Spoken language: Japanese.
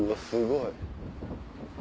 すごい！